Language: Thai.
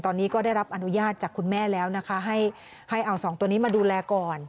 ตอนนี้ก็ได้รับอนุญาตจากคุณแม่แล้วนะคะให้เอาสองตัวนี้มาดูแลก่อน